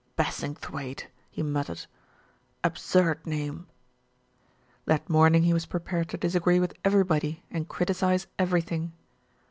"Bassingthwaighte," he muttered. "Absurd name." That morning he was prepared to disagree with every body and criticise everything.